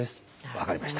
分かりました。